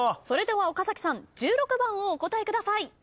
それでは岡崎さん１６番をお答えください。